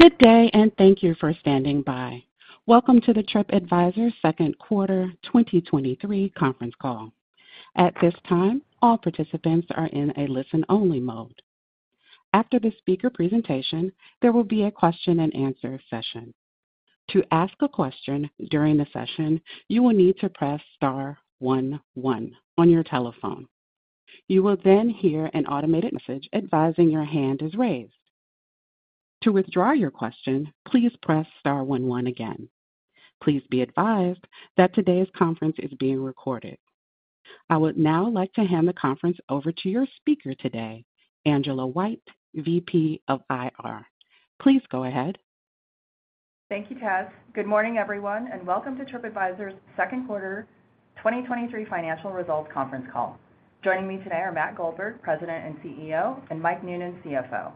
Good day and thank you for standing by. Welcome to the Tripadvisor second quarter 2023 conference call. At this time, all participants are in a listen-only mode. After the speaker presentation, there will be a question-and-answer session. To ask a question during the session, you will need to press star one one on your telephone. You will then hear an automated message advising your hand is raised. To withdraw your question, please press star one one again. Please be advised that today's conference is being recorded. I would now like to hand the conference over to your speaker today, Angela White, VP of IR. Please go ahead. Thank you, Tess. Good morning, everyone, and welcome to Tripadvisor's second quarter 2023 financial results conference call. Joining me today are Matt Goldberg, President and CEO, and Mike Noonan, CFO.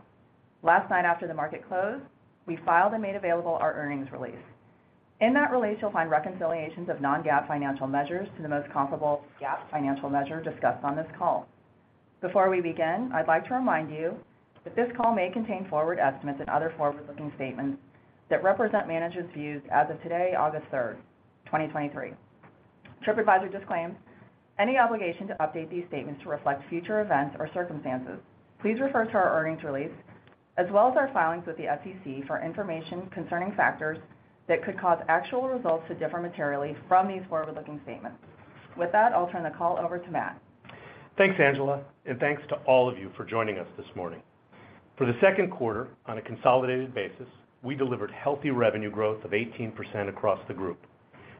Last night, after the market closed, we filed and made available our earnings release. In that release, you'll find reconciliations of non-GAAP financial measures to the most comparable GAAP financial measure discussed on this call. Before we begin, I'd like to remind you that this call may contain forward estimates and other forward-looking statements that represent management's views as of today, August 3rd, 2023. Tripadvisor disclaims any obligation to update these statements to reflect future events or circumstances. Please refer to our earnings release, as well as our filings with the SEC for information concerning factors that could cause actual results to differ materially from these forward-looking statements. With that, I'll turn the call over to Matt. Thanks, Angela. Thanks to all of you for joining us this morning. For the second quarter, on a consolidated basis, we delivered healthy revenue growth of 18% across the group,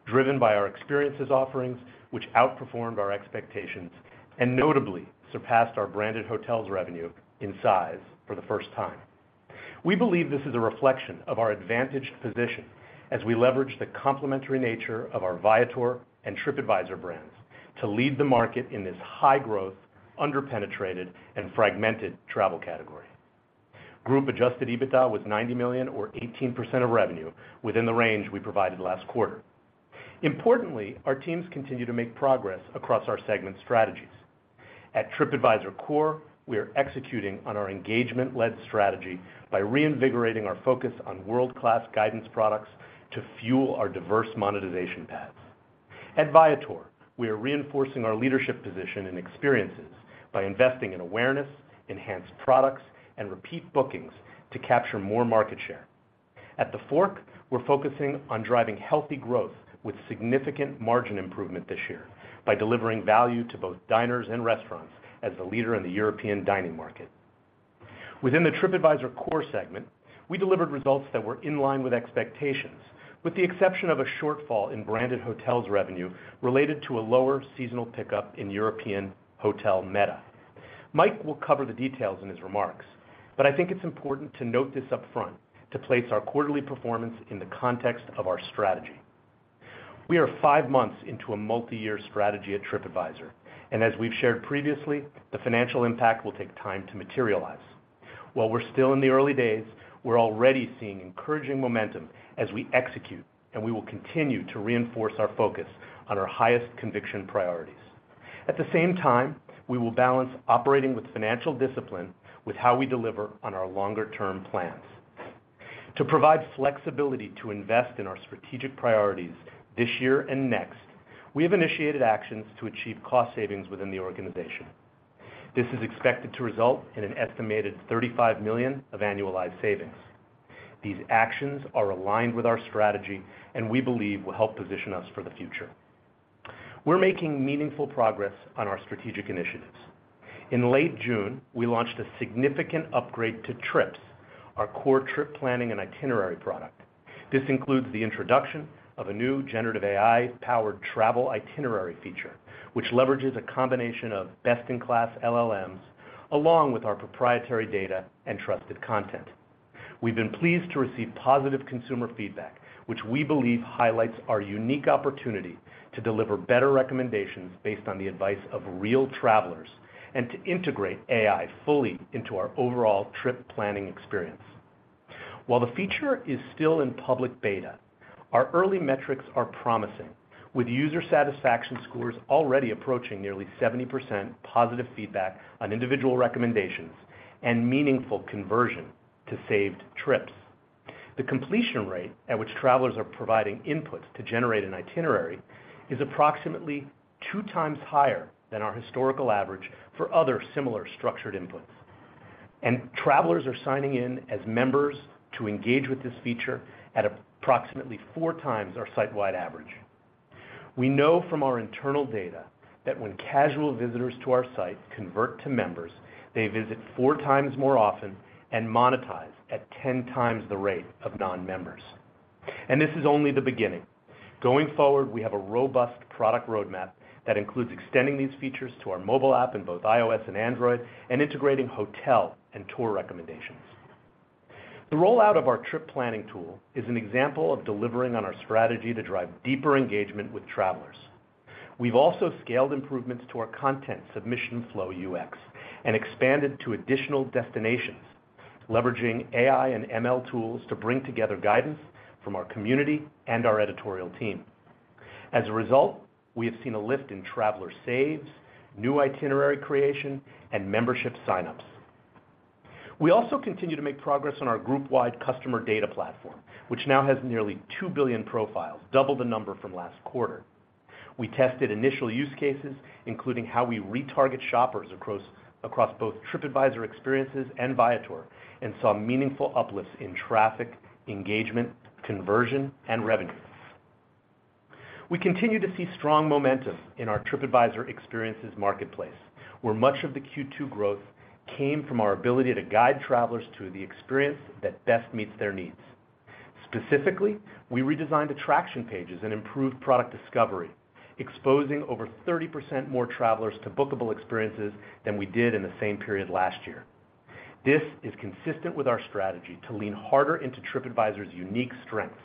driven by our experiences offerings, which outperformed our expectations and notably surpassed our Branded Hotels revenue in size for the first time. We believe this is a reflection of our advantaged position as we leverage the complementary nature of our Viator and Tripadvisor brands to lead the market in this high-growth, underpenetrated, and fragmented travel category. Group Adjusted EBITDA was $90 million, or 18% of revenue, within the range we provided last quarter. Importantly, our teams continue to make progress across our segment strategies. At Tripadvisor Core, we are executing on our engagement-led strategy by reinvigorating our focus on world-class guidance products to fuel our diverse monetization paths. At Viator, we are reinforcing our leadership position and experiences by investing in awareness, enhanced products, and repeat bookings to capture more market share. At TheFork, we're focusing on driving healthy growth with significant margin improvement this year by delivering value to both diners and restaurants as the leader in the European dining market. Within the Tripadvisor Core segment, we delivered results that were in line with expectations, with the exception of a shortfall in Branded Hotels revenue related to a lower seasonal pickup in European hotel meta. Mike will cover the details in his remarks, but I think it's important to note this up front to place our quarterly performance in the context of our strategy. We are five months into a multi-year strategy at Tripadvisor, and as we've shared previously, the financial impact will take time to materialize. While we're still in the early days, we're already seeing encouraging momentum as we execute, and we will continue to reinforce our focus on our highest conviction priorities. At the same time, we will balance operating with financial discipline with how we deliver on our longer-term plans. To provide flexibility to invest in our strategic priorities this year and next, we have initiated actions to achieve cost savings within the organization. This is expected to result in an estimated $35 million of annualized savings. These actions are aligned with our strategy and we believe will help position us for the future. We're making meaningful progress on our strategic initiatives. In late June, we launched a significant upgrade to Trips, our core trip planning and itinerary product. This includes the introduction of a new generative AI-powered travel itinerary feature, which leverages a combination of best-in-class LLMs, along with our proprietary data and trusted content. We've been pleased to receive positive consumer feedback, which we believe highlights our unique opportunity to deliver better recommendations based on the advice of real travelers, and to integrate AI fully into our overall trip planning experience. While the feature is still in public beta, our early metrics are promising, with user satisfaction scores already approaching nearly 70% positive feedback on individual recommendations and meaningful conversion to saved trips. The completion rate at which travelers are providing inputs to generate an itinerary is approximately 2x higher than our historical average for other similar structured inputs, and travelers are signing in as members to engage with this feature at approximately 4x our site-wide average. We know from our internal data that when casual visitors to our site convert to members, they visit four times more often and monetize at 10x the rate of non-members. This is only the beginning. Going forward, we have a robust product roadmap that includes extending these features to our mobile app in both iOS and Android, and integrating hotel and tour recommendations. The rollout of our trip planning tool is an example of delivering on our strategy to drive deeper engagement with travelers. We've also scaled improvements to our content submission flow UX and expanded to additional destinations, leveraging AI and ML tools to bring together guidance from our community and our editorial team. As a result, we have seen a lift in traveler saves, new itinerary creation, and membership sign-ups. We also continue to make progress on our group-wide customer data platform, which now has nearly 2 billion profiles, double the number from last quarter. We tested initial use cases, including how we retarget shoppers across both Tripadvisor experiences and Viator, saw meaningful uplifts in traffic, engagement, conversion, and revenue. We continue to see strong momentum in our Tripadvisor experiences marketplace, where much of the Q2 growth came from our ability to guide travelers to the experience that best meets their needs. Specifically, we redesigned attraction pages and improved product discovery, exposing over 30% more travelers to bookable experiences than we did in the same period last year. This is consistent with our strategy to lean harder into Tripadvisor's unique strengths,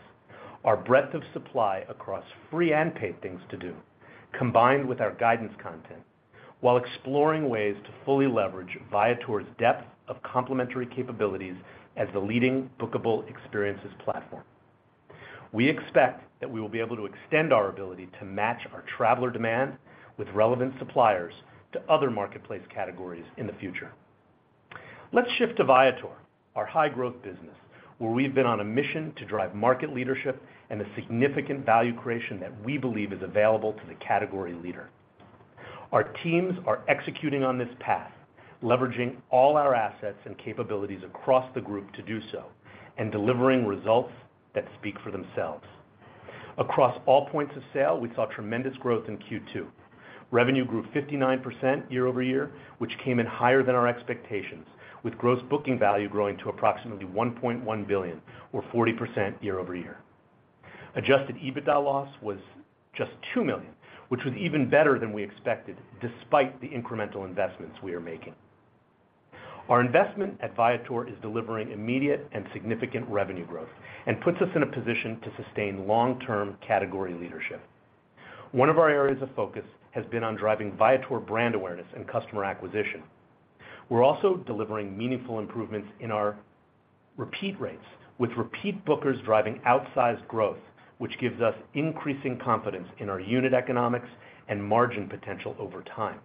our breadth of supply across free and paid things to do, combined with our guidance content, while exploring ways to fully leverage Viator's depth of complementary capabilities as the leading bookable experiences platform. We expect that we will be able to extend our ability to match our traveler demand with relevant suppliers to other marketplace categories in the future. Let's shift to Viator, our high-growth business, where we've been on a mission to drive market leadership and the significant value creation that we believe is available to the category leader. Our teams are executing on this path, leveraging all our assets and capabilities across the group to do so, and delivering results that speak for themselves. Across all points of sale, we saw tremendous growth in Q2. Revenue grew 59% year-over-year, which came in higher than our expectations, with gross booking value growing to approximately $1.1 billion or 40% year-over-year. Adjusted EBITDA loss was just $2 million, which was even better than we expected, despite the incremental investments we are making. Our investment at Viator is delivering immediate and significant revenue growth and puts us in a position to sustain long-term category leadership. One of our areas of focus has been on driving Viator brand awareness and customer acquisition. We're also delivering meaningful improvements in our repeat rates, with repeat bookers driving outsized growth, which gives us increasing confidence in our unit economics and margin potential over time.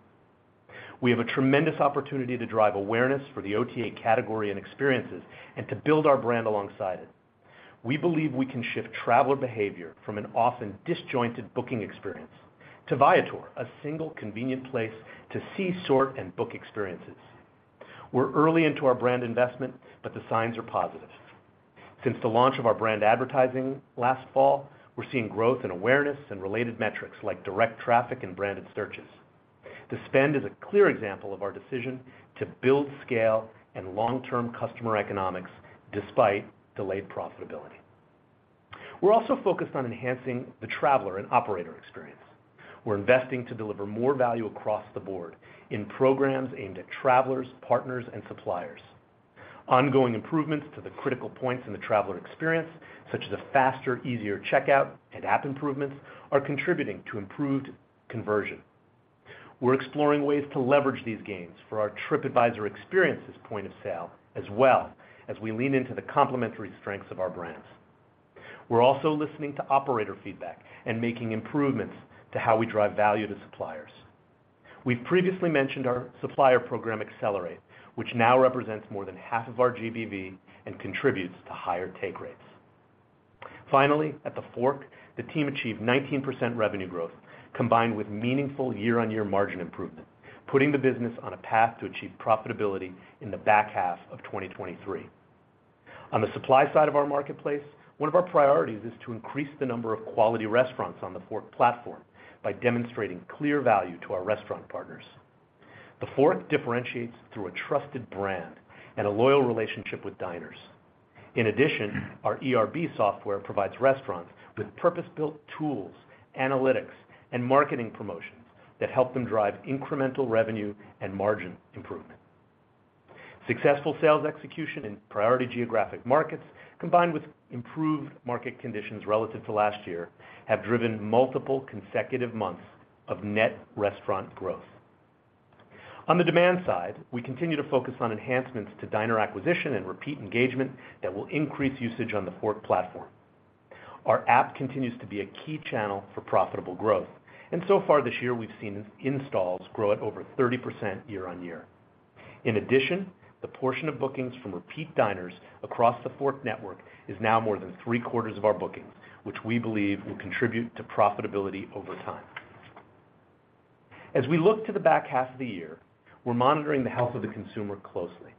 We have a tremendous opportunity to drive awareness for the OTA category and experiences and to build our brand alongside it. We believe we can shift traveler behavior from an often disjointed booking experience to Viator, a single, convenient place to see, sort, and book experiences. We're early into our brand investment, but the signs are positive. Since the launch of our brand advertising last fall, we're seeing growth in awareness and related metrics like direct traffic and branded searches. The spend is a clear example of our decision to build scale and long-term customer economics despite delayed profitability. We're also focused on enhancing the traveler and operator experience. We're investing to deliver more value across the board in programs aimed at travelers, partners, and suppliers. Ongoing improvements to the critical points in the traveler experience, such as a faster, easier checkout and app improvements, are contributing to improved conversion. We're exploring ways to leverage these gains for our Tripadvisor experiences point of sale, as well as we lean into the complementary strengths of our brands. We're also listening to operator feedback and making improvements to how we drive value to suppliers. We've previously mentioned our supplier program, Accelerate, which now represents more than half of our GBV and contributes to higher take rates. Finally, at TheFork, the team achieved 19% revenue growth, combined with meaningful year-on-year margin improvement, putting the business on a path to achieve profitability in the back half of 2023. On the supply side of our marketplace, one of our priorities is to increase the number of quality restaurants on TheFork platform by demonstrating clear value to our restaurant partners. TheFork differentiates through a trusted brand and a loyal relationship with diners. In addition, our ERB software provides restaurants with purpose-built tools, analytics, and marketing promotions that help them drive incremental revenue and margin improvement. Successful sales execution in priority geographic markets, combined with improved market conditions relative to last year, have driven multiple consecutive months of net restaurant growth. On the demand side, we continue to focus on enhancements to diner acquisition and repeat engagement that will increase usage on TheFork platform. Our app continues to be a key channel for profitable growth, and so far this year, we've seen installs grow at over 30% year-over-year. In addition, the portion of bookings from repeat diners across TheFork network is now more than three-quarters of our bookings, which we believe will contribute to profitability over time. As we look to the back half of the year, we're monitoring the health of the consumer closely.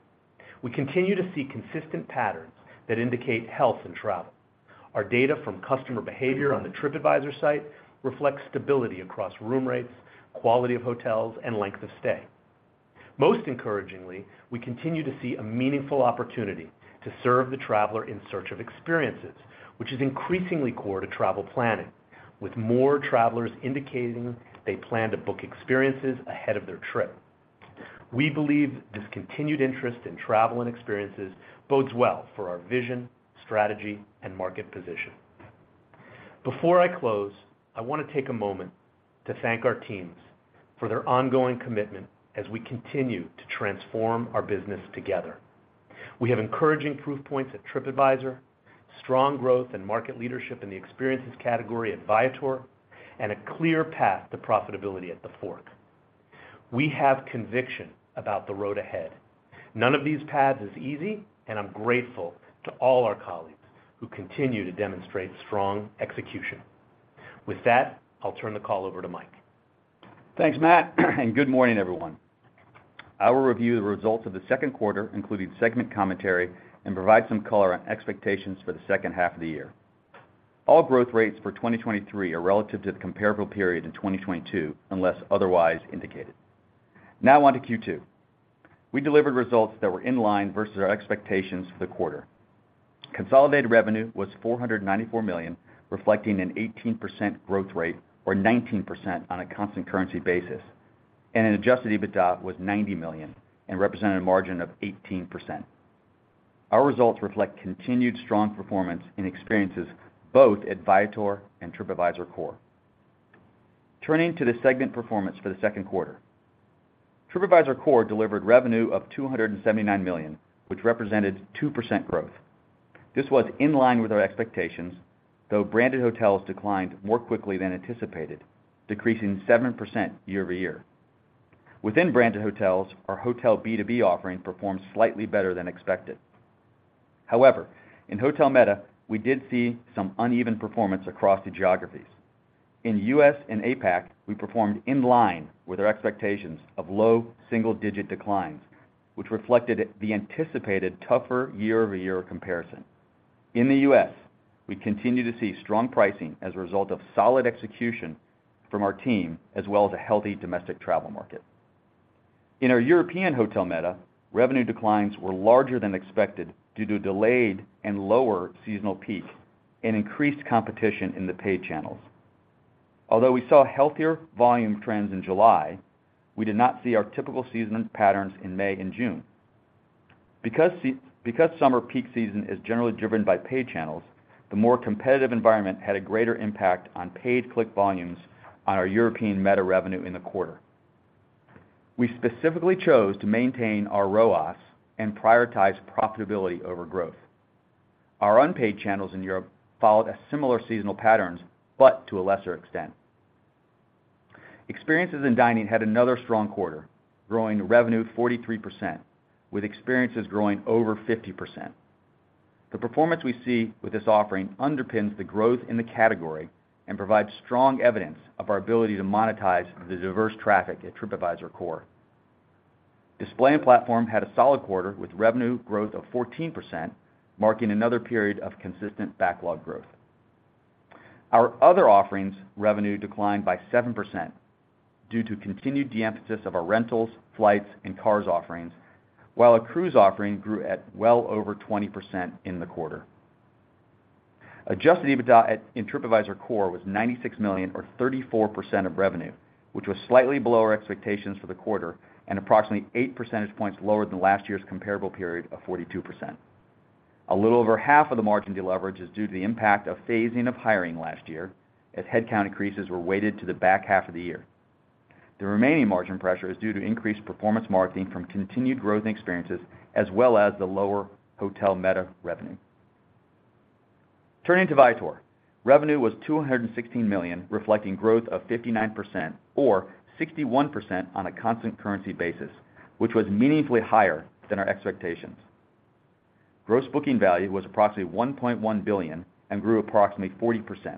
We continue to see consistent patterns that indicate health in travel. Our data from customer behavior on the Tripadvisor site reflects stability across room rates, quality of hotels, and length of stay. Most encouragingly, we continue to see a meaningful opportunity to serve the traveler in search of experiences, which is increasingly core to travel planning, with more travelers indicating they plan to book experiences ahead of their trip. We believe this continued interest in travel and experiences bodes well for our vision, strategy, and market position. Before I close, I want to take a moment to thank our teams for their ongoing commitment as we continue to transform our business together. We have encouraging proof points at Tripadvisor, strong growth and market leadership in the experiences category at Viator, and a clear path to profitability at TheFork. We have conviction about the road ahead. None of these paths is easy, and I'm grateful to all our colleagues who continue to demonstrate strong execution. With that, I'll turn the call over to Mike. Thanks, Matt. Good morning, everyone. I will review the results of the second quarter, including segment commentary, and provide some color on expectations for the second half of the year. All growth rates for 2023 are relative to the comparable period in 2022, unless otherwise indicated. Now on to Q2. We delivered results that were in line versus our expectations for the quarter. Consolidated revenue was $494 million, reflecting an 18% growth rate, or 19% on a constant currency basis. Adjusted EBITDA was $90 million and represented a margin of 18%. Our results reflect continued strong performance in experiences, both at Viator and Tripadvisor Core. Turning to the segment performance for the second quarter. Tripadvisor Core delivered revenue of $279 million, which represented 2% growth. This was in line with our expectations, though Branded Hotels declined more quickly than anticipated, decreasing 7% year-over-year. Within Branded Hotels, our hotel B2B offering performed slightly better than expected. However, in hotel meta, we did see some uneven performance across the geographies. In U.S. and APAC, we performed in line with our expectations of low single-digit declines, which reflected the anticipated tougher year-over-year comparison. In the U.S., we continue to see strong pricing as a result of solid execution from our team, as well as a healthy domestic travel market. In our European hotel meta, revenue declines were larger than expected due to delayed and lower seasonal peaks and increased competition in the paid channels. Although we saw healthier volume trends in July, we did not see our typical season patterns in May and June. Because summer peak season is generally driven by paid channels, the more competitive environment had a greater impact on paid click volumes on our European hotel meta revenue in the quarter. We specifically chose to maintain our ROAS and prioritize profitability over growth. Our unpaid channels in Europe followed a similar seasonal patterns, but to a lesser extent. Experiences and Dining had another strong quarter, growing revenue 43%, with experiences growing over 50%. The performance we see with this offering underpins the growth in the category and provides strong evidence of our ability to monetize the diverse traffic at Tripadvisor Core. Display and Platform had a solid quarter, with revenue growth of 14%, marking another period of consistent backlog growth. Our other offerings revenue declined by 7% due to continued de-emphasis of our rentals, flights, and cars offerings, while our cruise offering grew at well over 20% in the quarter. Adjusted EBITDA in Tripadvisor Core was $96 million, or 34% of revenue, which was slightly below our expectations for the quarter and approximately eight percentage points lower than last year's comparable period of 42%. A little over half of the margin deleverage is due to the impact of phasing of hiring last year, as headcount increases were weighted to the back half of the year. The remaining margin pressure is due to increased performance marketing from continued growth and experiences, as well as the lower hotel meta revenue. Turning to Viator. Revenue was $216 million, reflecting growth of 59% or 61% on a constant currency basis, which was meaningfully higher than our expectations. Gross booking value was approximately $1.1 billion and grew approximately 40%.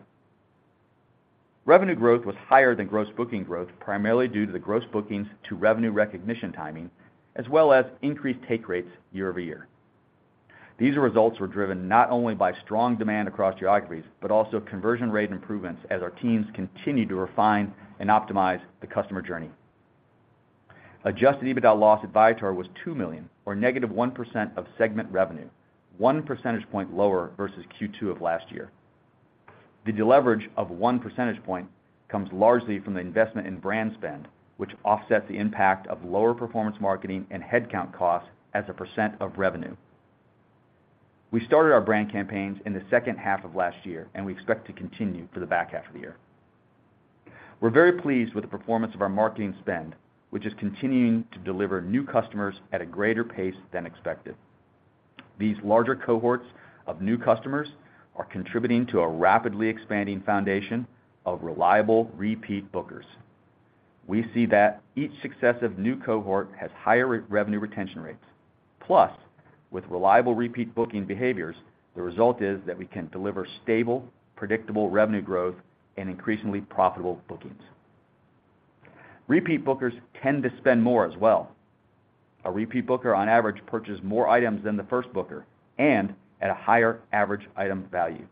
Revenue growth was higher than gross booking growth, primarily due to the gross bookings to revenue recognition timing, as well as increased take rates year-over-year. These results were driven not only by strong demand across geographies, but also conversion rate improvements as our teams continue to refine and optimize the customer journey. Adjusted EBITDA loss at Viator was $2 million or -1% of segment revenue, one percentage point lower versus Q2 of last year. The deleverage of one percentage point comes largely from the investment in brand spend, which offsets the impact of lower performance marketing and headcount costs as a percent of revenue. We started our brand campaigns in the second half of last year. We expect to continue for the back half of the year. We're very pleased with the performance of our marketing spend, which is continuing to deliver new customers at a greater pace than expected. These larger cohorts of new customers are contributing to a rapidly expanding foundation of reliable, repeat bookers. We see that each successive new cohort has higher revenue retention rates, plus, with reliable repeat booking behaviors, the result is that we can deliver stable, predictable revenue growth and increasingly profitable bookings. Repeat bookers tend to spend more as well. A repeat booker, on average, purchases more items than the first booker and at a higher average item value.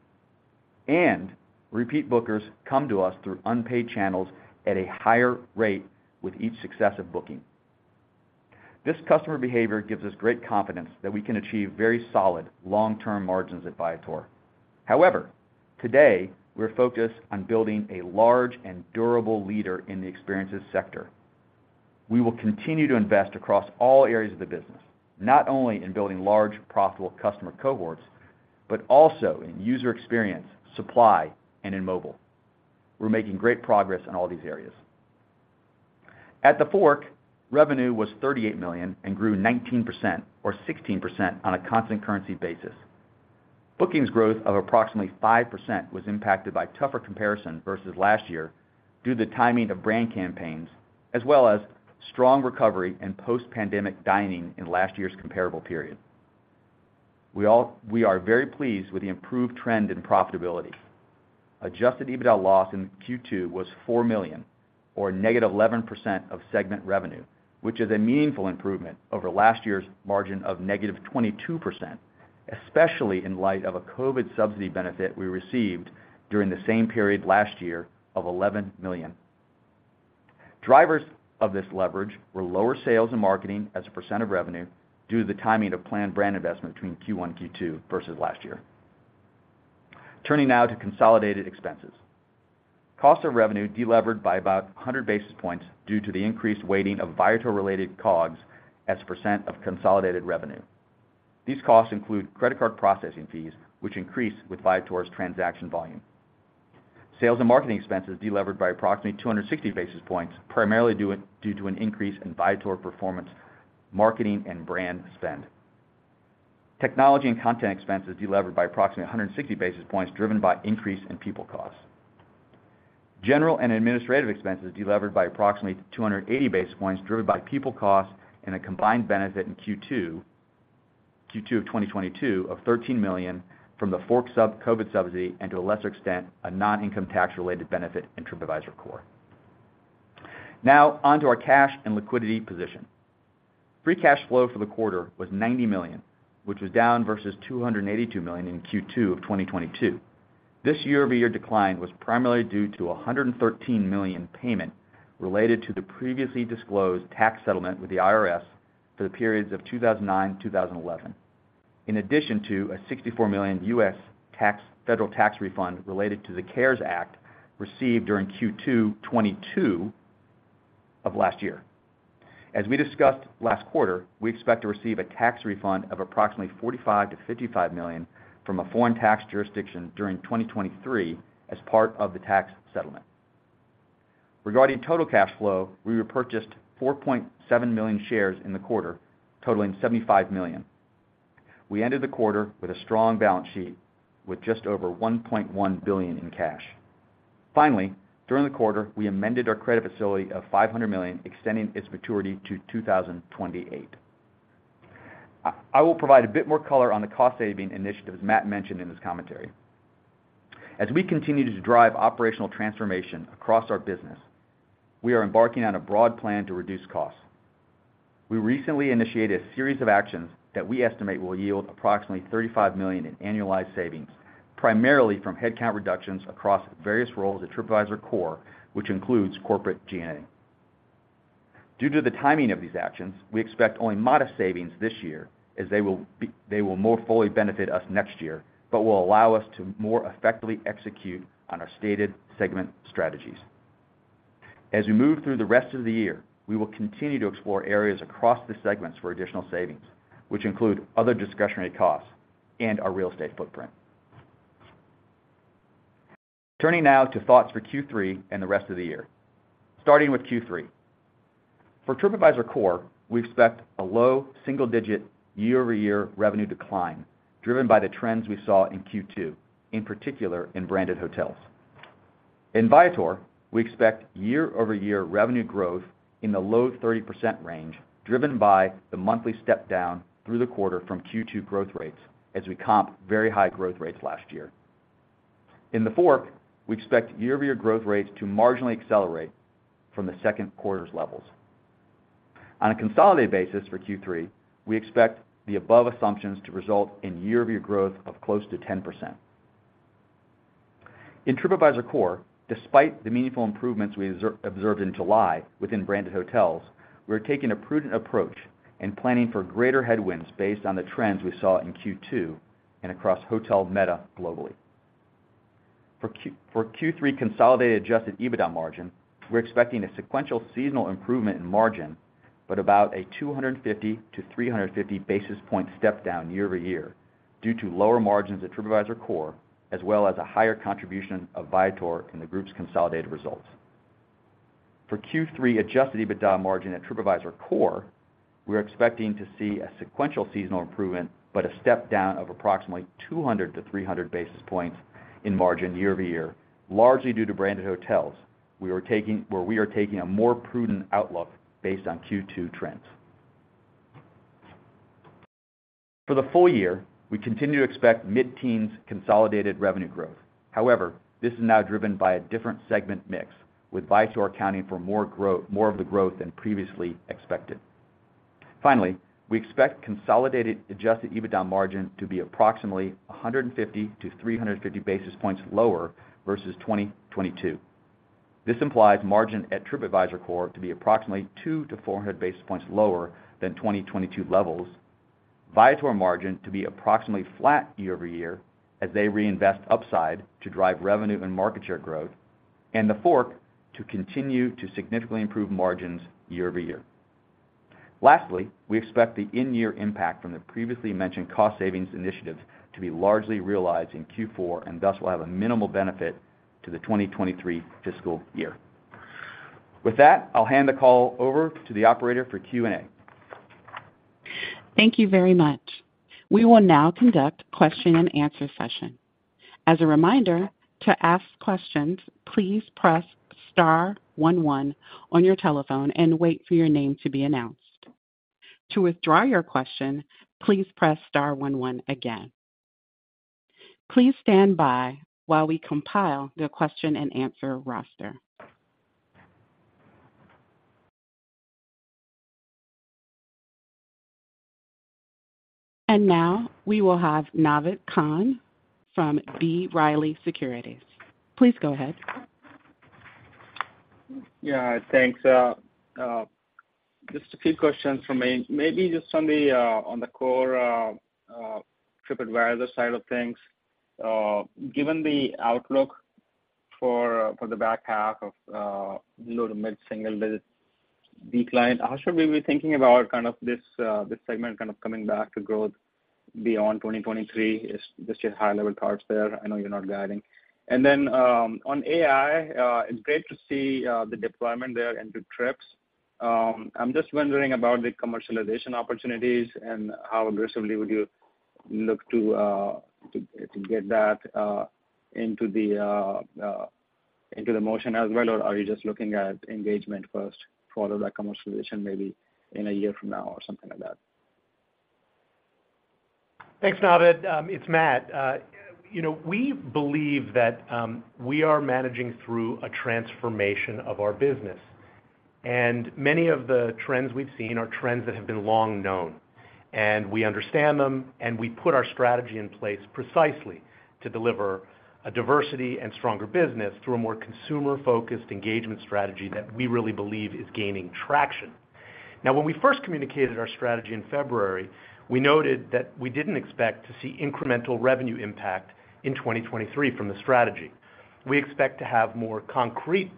Repeat bookers come to us through unpaid channels at a higher rate with each successive booking. This customer behavior gives us great confidence that we can achieve very solid long-term margins at Viator. However, today, we're focused on building a large and durable leader in the experiences sector. We will continue to invest across all areas of the business, not only in building large, profitable customer cohorts, but also in user experience, supply, and in mobile. We're making great progress in all these areas. At TheFork, revenue was $38 million and grew 19%, or 16% on a constant currency basis. Bookings growth of approximately 5% was impacted by tougher comparison versus last year, due to the timing of brand campaigns, as well as strong recovery and post-pandemic dining in last year's comparable period. We are very pleased with the improved trend in profitability. Adjusted EBITDA loss in Q2 was $4 million, or -11% of segment revenue, which is a meaningful improvement over last year's margin of -22%, especially in light of a COVID subsidy benefit we received during the same period last year of $11 million. Drivers of this leverage were lower sales and marketing as a percent of revenue, due to the timing of planned brand investment between Q1 and Q2 versus last year. Turning now to consolidated expenses. Cost of revenue delevered by about 100 basis points due to the increased weighting of Viator-related COGS as a percent of consolidated revenue. These costs include credit card processing fees, which increase with Viator's transaction volume. Sales and marketing expenses delevered by approximately 260 basis points, primarily due to an increase in Viator performance, marketing, and brand spend. Technology and content expenses delevered by approximately 160 basis points, driven by increase in people costs. General and administrative expenses delevered by approximately 280 basis points, driven by people costs and a combined benefit in Q2 of 2022 of $13 million from TheFork COVID subsidy, and to a lesser extent, a non-income tax-related benefit in Tripadvisor Core. On to our cash and liquidity position. Free cash flow for the quarter was $90 million, which was down versus $282 million in Q2 of 2022. This year-over-year decline was primarily due to a $113 million payment related to the previously disclosed tax settlement with the IRS for the periods of 2009 to 2011, in addition to a $64 million U.S. tax, federal tax refund related to the CARES Act, received during Q2 2022 of last year. As we discussed last quarter, we expect to receive a tax refund of approximately $45 million-$55 million from a foreign tax jurisdiction during 2023 as part of the tax settlement. Regarding total cash flow, we repurchased 4.7 million shares in the quarter, totaling $75 million. We ended the quarter with a strong balance sheet, with just over $1.1 billion in cash. During the quarter, we amended our credit facility of $500 million, extending its maturity to 2028. I will provide a bit more color on the cost-saving initiatives Matt mentioned in his commentary. As we continue to drive operational transformation across our business, we are embarking on a broad plan to reduce costs. We recently initiated a series of actions that we estimate will yield approximately $35 million in annualized savings, primarily from headcount reductions across various roles at Tripadvisor Core, which includes corporate G&A. Due to the timing of these actions, we expect only modest savings this year, as they will more fully benefit us next year, but will allow us to more effectively execute on our stated segment strategies. As we move through the rest of the year, we will continue to explore areas across the segments for additional savings, which include other discretionary costs and our real estate footprint. Turning now to thoughts for Q3 and the rest of the year. Starting with Q3. For Tripadvisor Core, we expect a low single-digit, year-over-year revenue decline, driven by the trends we saw in Q2, in particular, in Branded Hotels. In Viator, we expect year-over-year revenue growth in the low 30% range, driven by the monthly step down through the quarter from Q2 growth rates, as we comp very high growth rates last year. In TheFork, we expect year-over-year growth rates to marginally accelerate from the second quarter's levels. On a consolidated basis for Q3, we expect the above assumptions to result in year-over-year growth of close to 10%. In Tripadvisor Core, despite the meaningful improvements we observed in July within Branded Hotels, we're taking a prudent approach and planning for greater headwinds based on the trends we saw in Q2 and across hotel meta globally. For Q3 consolidated Adjusted EBITDA margin, we're expecting a sequential seasonal improvement in margin, but about a 250-350 basis point step down year-over-year, due to lower margins at Tripadvisor Core, as well as a higher contribution of Viator in the group's consolidated results. For Q3 Adjusted EBITDA margin at Tripadvisor Core, we're expecting to see a sequential seasonal improvement, but a step down of approximately 200-300 basis points in margin year-over-year, largely due to Branded Hotels. We are taking a more prudent outlook based on Q2 trends. For the full year, we continue to expect mid-teens consolidated revenue growth. This is now driven by a different segment mix, with Viator accounting for more growth, more of the growth than previously expected. Finally, we expect consolidated Adjusted EBITDA margin to be approximately 150-350 basis points lower versus 2022. This implies margin at Tripadvisor Core to be approximately 200-400 basis points lower than 2022 levels, Viator margin to be approximately flat year-over-year, as they reinvest upside to drive revenue and market share growth, and TheFork to continue to significantly improve margins year-over-year. Lastly, we expect the in-year impact from the previously mentioned cost savings initiatives to be largely realized in Q4, thus will have a minimal benefit to the 2023 fiscal year. With that, I'll hand the call over to the operator for Q&A. Thank you very much. We will now conduct question-and-answer session. As a reminder, to ask questions, please press star one one on your telephone and wait for your name to be announced. To withdraw your question, please press star one one again. Please stand by while we compile the question-and-answer roster. Now we will have Naved Khan from B. Riley Securities. Please go ahead. Yeah, thanks. Just a few questions from me. Maybe just on the core Tripadvisor side of things. Given the outlook for, for the back half of low to mid-single digit decline, how should we be thinking about kind of this segment kind of coming back to growth beyond 2023? Is just your high-level thoughts there. I know you're not guiding. On AI, it's great to see the deployment there into Trips. I'm just wondering about the commercialization opportunities and how aggressively would you look to get that into the motion as well? Or are you just looking at engagement first, follow that commercialization maybe in 1 year from now or something like that? Thanks, Naved. It's Matt. You know, we believe that we are managing through a transformation of our business, and many of the trends we've seen are trends that have been long known, and we understand them, and we put our strategy in place precisely to deliver a diversity and stronger business through a more consumer-focused engagement strategy that we really believe is gaining traction. Now, when we first communicated our strategy in February, we noted that we didn't expect to see incremental revenue impact in 2023 from the strategy. We expect to have more concrete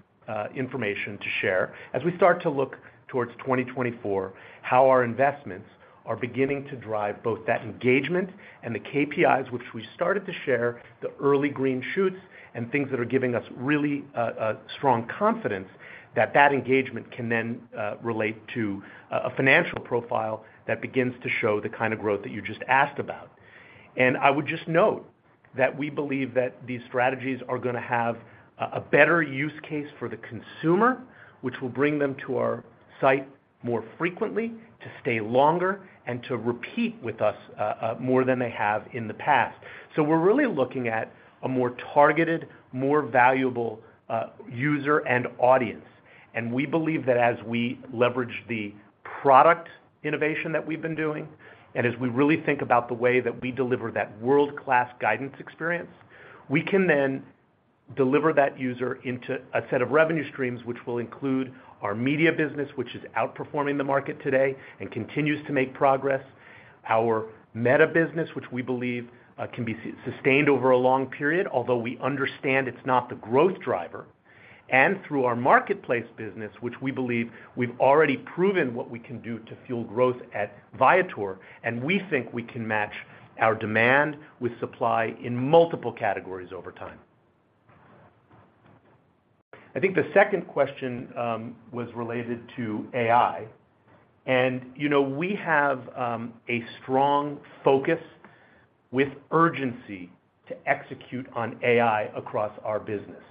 information to share as we start to look towards 2024, how our investments are beginning to drive both that engagement and the KPIs, which we started to share, the early green shoots and things that are giving us really a strong confidence that that engagement can then relate to a, a financial profile that begins to show the kind of growth that you just asked about. I would just note that we believe that these strategies are gonna have a, a better use case for the consumer, which will bring them to our site more frequently, to stay longer and to repeat with us more than they have in the past. We're really looking at a more targeted, more valuable, user and audience, and we believe that as we leverage the product innovation that we've been doing, and as we really think about the way that we deliver that world-class guidance experience, we can then deliver that user into a set of revenue streams, which will include our media business, which is outperforming the market today and continues to make progress. Our meta business, which we believe, can be sustained over a long period, although we understand it's not the growth driver, and through our marketplace business, which we believe we've already proven what we can do to fuel growth at Viator, and we think we can match our demand with supply in multiple categories over time. I think the second question was related to AI. You know, we have a strong focus with urgency to execute on AI across our business.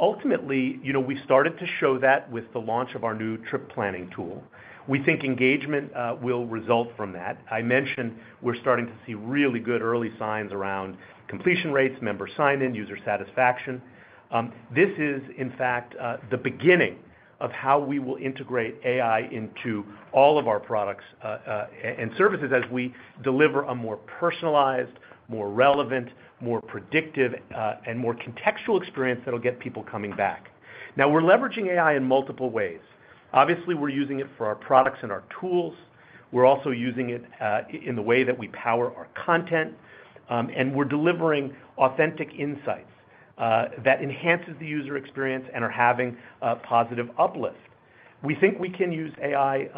Ultimately, you know, we started to show that with the launch of our new trip planning tool, we think engagement will result from that. I mentioned we're starting to see really good early signs around completion rates, member sign-in, user satisfaction. This is, in fact, the beginning of how we will integrate AI into all of our products and services as we deliver a more personalized, more relevant, more predictive, and more contextual experience that'll get people coming back. Now, we're leveraging AI in multiple ways. Obviously, we're using it for our products and our tools. We're also using it in the way that we power our content, and we're delivering authentic insights that enhances the user experience and are having a positive uplift. We think we can use AI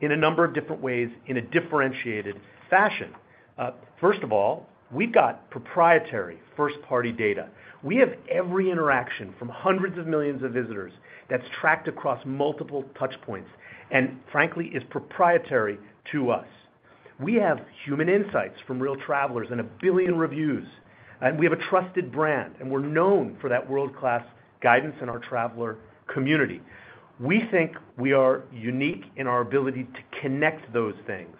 in a number of different ways in a differentiated fashion. First of all, we've got proprietary first-party data. We have every interaction from hundreds of millions of visitors that's tracked across multiple touch points, and frankly, is proprietary to us. We have human insights from real travelers and 1 billion reviews, and we have a trusted brand, and we're known for that world-class guidance in our traveler community. We think we are unique in our ability to connect those things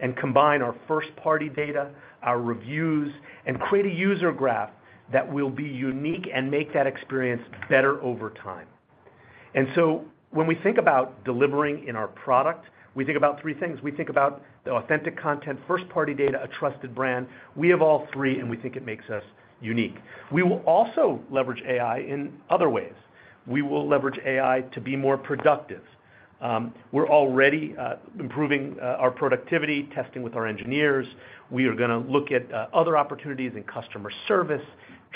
and combine our first-party data, our reviews, and create a user graph that will be unique and make that experience better over time. When we think about delivering in our product, we think about three things. We think about the authentic content, first-party data, a trusted brand. We have all three, and we think it makes us unique. We will also leverage AI in other ways. We will leverage AI to be more productive. We're already improving our productivity, testing with our engineers. We are gonna look at other opportunities in customer service,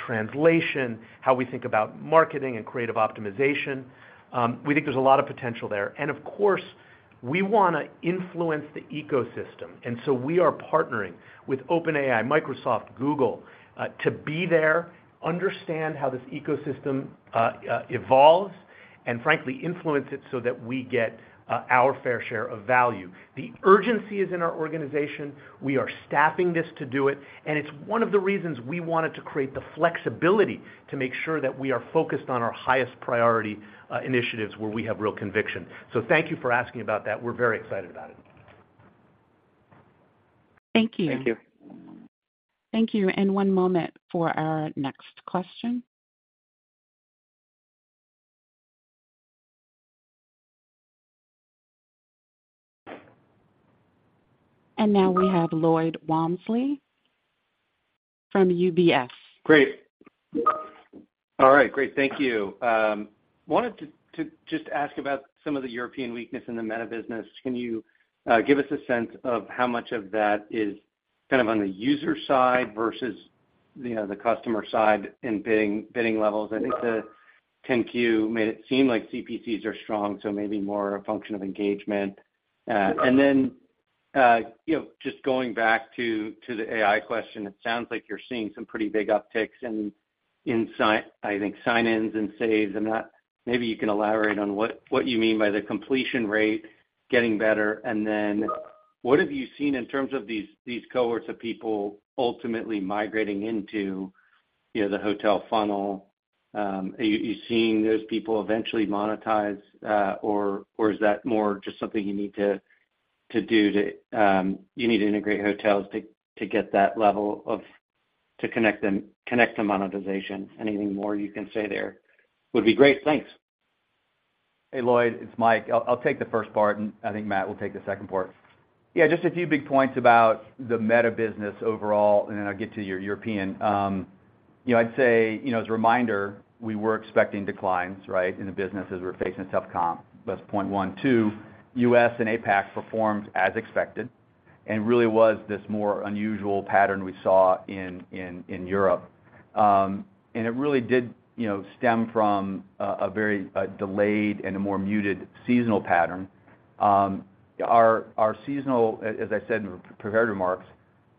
translation, how we think about marketing and creative optimization. We think there's a lot of potential there. Of course, we wanna influence the ecosystem, and so we are partnering with OpenAI, Microsoft, Google to be there, understand how this ecosystem evolves, and frankly, influence it so that we get our fair share of value. The urgency is in our organization. We are staffing this to do it. It's one of the reasons we wanted to create the flexibility to make sure that we are focused on our highest priority initiatives, where we have real conviction. Thank you for asking about that. We're very excited about it. Thank you. Thank you. Thank you. One moment for our next question. Now we have Lloyd Walmsley from UBS. Great. All right, great, thank you. Wanted to, to just ask about some of the European weakness in the meta business. Can you give us a sense of how much of that is kind of on the user side versus, you know, the customer side in bidding, bidding levels? I think the 10-Q made it seem like CPCs are strong, so maybe more a function of engagement. You know, just going back to, to the AI question, it sounds like you're seeing some pretty big upticks in, in sign-ins and saves, and that. Maybe you can elaborate on what, what you mean by the completion rate getting better? What have you seen in terms of these, these cohorts of people ultimately migrating into, you know, the hotel funnel? Are you, you seeing those people eventually monetize, or is that more just something you need to do to, you need to integrate hotels to connect them, connect to monetization? Anything more you can say there would be great. Thanks. Hey, Lloyd, it's Mike. I'll, I'll take the first part, and I think Matt will take the second part. Yeah, just a few big points about the Meta business overall, and then I'll get to your European. You know, I'd say, you know, as a reminder, we were expecting declines, right, in the business as we're facing a tough comp. That's 0.12, U.S. and APAC performed as expected, and really was this more unusual pattern we saw in Europe. And it really did, you know, stem from a very delayed and a more muted seasonal pattern. Our seasonal, as I said in the prepared remarks,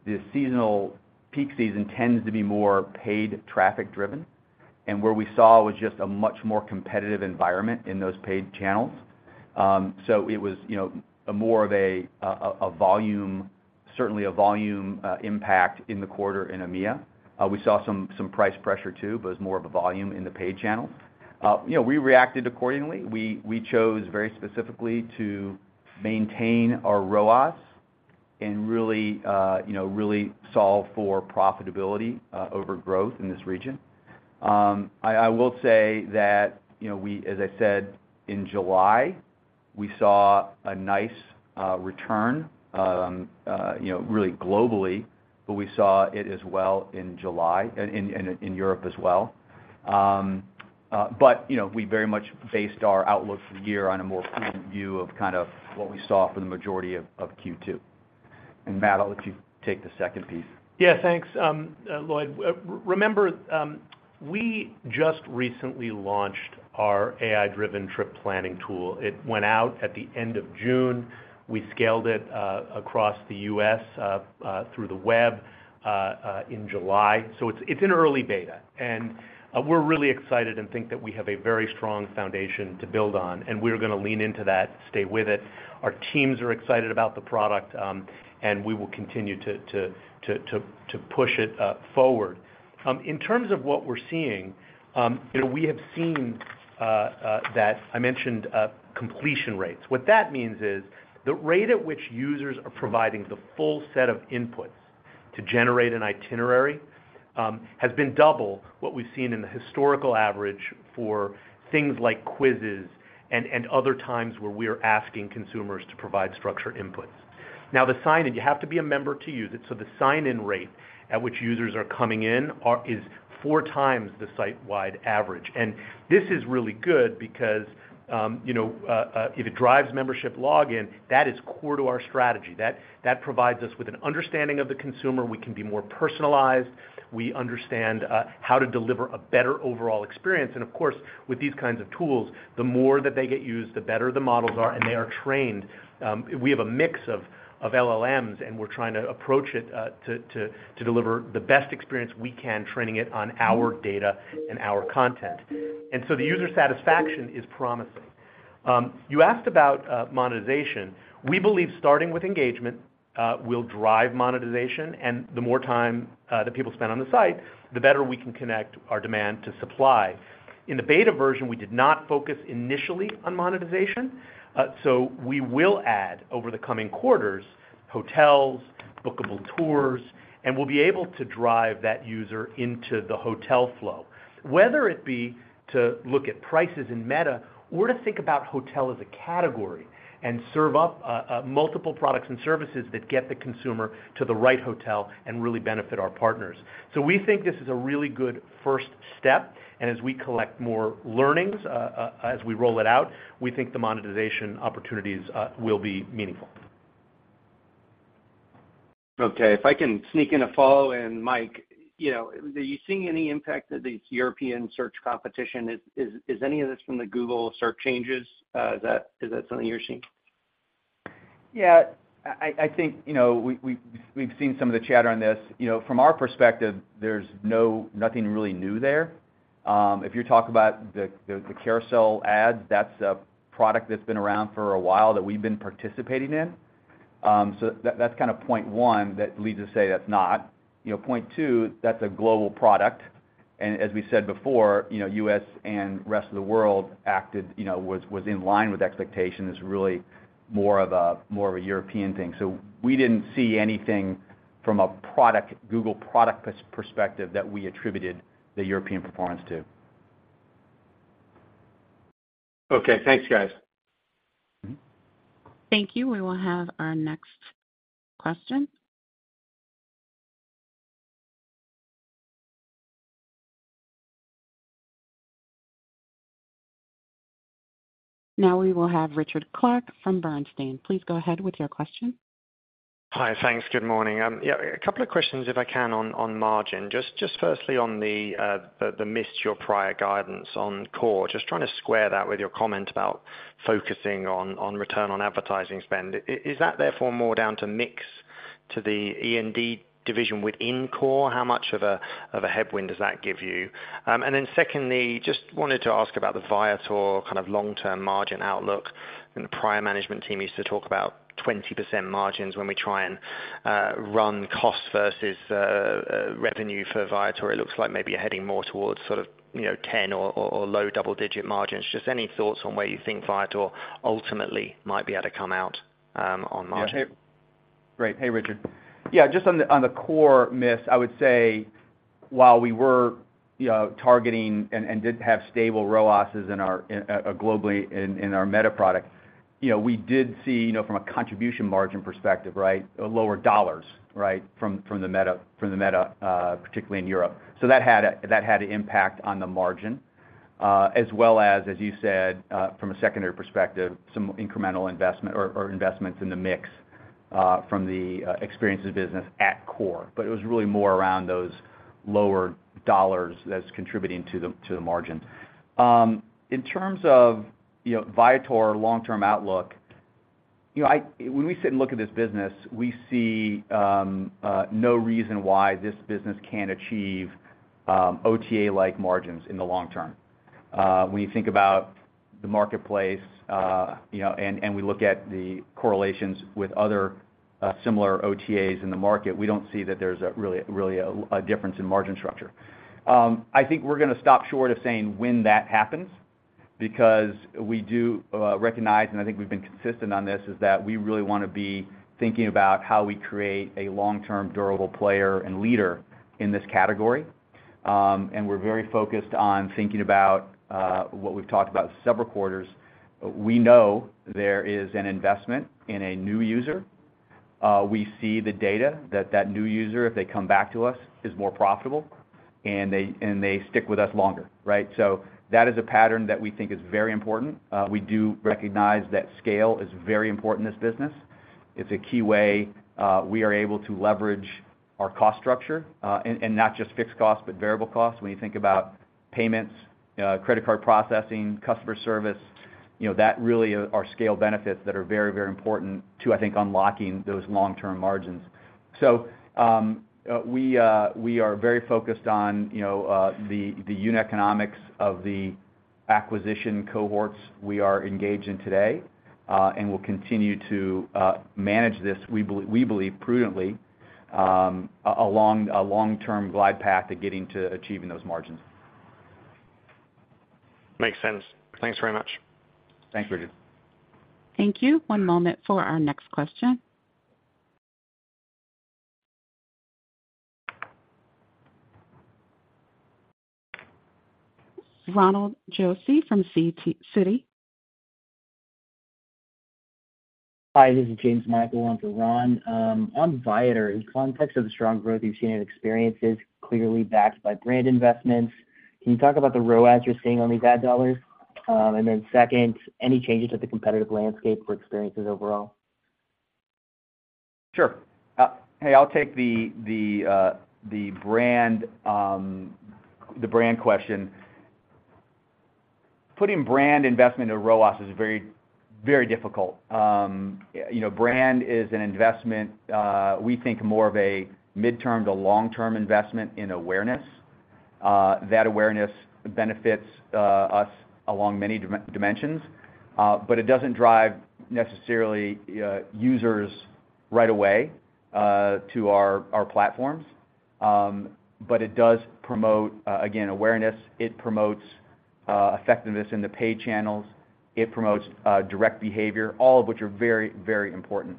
the seasonal peak season tends to be more paid traffic driven, and where we saw was just a much more competitive environment in those paid channels. It was, you know, a more of a volume, certainly a volume impact in the quarter in EMEA. We saw some, some price pressure, too, but it was more of a volume in the paid channel. You know, we reacted accordingly. We, we chose very specifically to maintain our ROAS and really, you know, really solve for profitability over growth in this region. I, I will say that, you know, as I said, in July, we saw a nice return, you know, really globally, but we saw it as well in July, in, in, in Europe as well. You know, we very much based our outlook for the year on a more present view of kind of what we saw for the majority of Q2. Matt, I'll let you take the second piece. Yeah, thanks, Lloyd. Remember, we just recently launched our AI-driven trip planning tool. It went out at the end of June. We scaled it across the U.S. through the web in July. It's, it's in early beta, and we're really excited and think that we have a very strong foundation to build on, and we're gonna lean into that, stay with it. Our teams are excited about the product, and we will continue to push it forward. In terms of what we're seeing, you know, we have seen that I mentioned completion rates. What that means is, the rate at which users are providing the full set of inputs to generate an itinerary has been 2x what we've seen in the historical average for things like quizzes and, and other times where we are asking consumers to provide structured inputs. The sign-in, you have to be a member to use it, so the sign-in rate at which users are coming in is 4x the site-wide average. This is really good because, you know, if it drives membership login, that is core to our strategy. That provides us with an understanding of the consumer. We can be more personalized. We understand how to deliver a better overall experience. Of course, with these kinds of tools, the more that they get used, the better the models are, and they are trained. We have a mix of LLMs, and we're trying to approach it to deliver the best experience we can, training it on our data and our content. The user satisfaction is promising. You asked about monetization. We believe starting with engagement will drive monetization, and the more time that people spend on the site, the better we can connect our demand to supply. In the beta version, we did not focus initially on monetization. We will add, over the coming quarters, hotels, bookable tours, and we'll be able to drive that user into the hotel flow. Whether it be to look at prices in meta or to think about hotel as a category and serve up multiple products and services that get the consumer to the right hotel and really benefit our partners. We think this is a really good first step, and as we collect more learnings, as we roll it out, we think the monetization opportunities will be meaningful. Okay. If I can sneak in a follow-in, Mike, you know, are you seeing any impact of the European search competition? Is any of this from the Google search changes? Is that something you're seeing? I think, you know, we've seen some of the chatter on this. You know, from our perspective, there's no nothing really new there. If you're talking about the, the carousel ad, that's a product that's been around for a while, that we've been participating in. So that that's kind of point one, that leads us to say that's not. You know, point two, that's a global product, and as we said before, you know, U.S. and rest of the world acted, you know, was, was in line with expectation, is really more of a, more of a European thing. So we didn't see anything from a product Google product perspective that we attributed the European performance to. Okay. Thanks, guys. Thank you. We will have our next question. Now we will have Richard Clarke from Bernstein. Please go ahead with your question. Hi. Thanks. Good morning. Yeah, a couple of questions, if I can, on, on margin. Just, just firstly on the, the, the missed your prior guidance on core. Just trying to square that with your comment about focusing on, on return on advertising spend. Is, is that therefore more down to mix to the E&D division within core? How much of a, of a headwind does that give you? Then secondly, just wanted to ask about the Viator kind of long-term margin outlook. The prior management team used to talk about 20% margins when we try and, run costs versus, revenue for Viator. It looks like maybe you're heading more towards sort of, you know, 10 or, or low double-digit margins. Just any thoughts on where you think Viator ultimately might be able to come out, on margin? Yeah. Hey. Great. Hey, Richard. Yeah, just on the Core miss, I would say while we were targeting and did have stable ROASs in our globally in our Meta product, you know, we did see, you know, from a contribution margin perspective, right, a lower dollars, right, from the Meta, from the Meta particularly in Europe. That had an impact on the margin, as well as, as you said, from a secondary perspective, some incremental investment or investments in the mix, from the experiences business at Core. It was really more around those lower dollars that's contributing to the margin. In terms of, you know, Viator long-term outlook, you know, I-- when we sit and look at this business, we see no reason why this business can't achieve OTA-like margins in the long term. When you think about the marketplace, you know, and, and we look at the correlations with other similar OTAs in the market, we don't see that there's a really, really a, a difference in margin structure. I think we're gonna stop short of saying when that happens, because we do recognize, and I think we've been consistent on this, is that we really wanna be thinking about how we create a long-term durable player and leader in this category. We're very focused on thinking about what we've talked about several quarters. We know there is an investment in a new user. We see the data that, that new user, if they come back to us, is more profitable and they, and they stick with us longer, right? That is a pattern that we think is very important. We do recognize that scale is very important in this business. It's a key way we are able to leverage our cost structure, and not just fixed costs, but variable costs. When you think about payments, credit card processing, customer service, you know, that really are scale benefits that are very, very important to, I think, unlocking those long-term margins. We are very focused on, you know, the uneconomics of the acquisition cohorts we are engaged in today, and we'll continue to manage this, we belie- we believe prudently, a-along a long-term glide path to getting to achieving those margins. Makes sense. Thanks very much. Thanks, Richard. Thank you. One moment for our next question. Ronald Josey from Citi. Hi, this is James Michael on for Ron. On Viator, in context of the strong growth you've seen in experiences, clearly backed by brand investments, can you talk about the ROAS you're seeing on these ad dollars? Then second, any changes to the competitive landscape for experiences overall? Sure. Hey, I'll take the, the, the brand, the brand question. Putting brand investment in ROAS is very, very difficult. You know, brand is an investment, we think more of a midterm to long-term investment in awareness. That awareness benefits us along many dimensions, but it doesn't drive necessarily users right away to our, our platforms. But it does promote again, awareness. It promotes effectiveness in the pay channels. It promotes direct behavior, all of which are very, very important